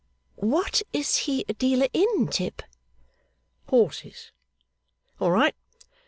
'What is he a dealer in, Tip?' 'Horses. All right!